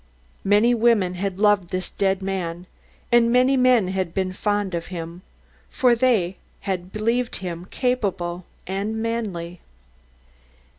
Many women had loved this dead man, and many men had been fond of him, for they had believed him capable and manly.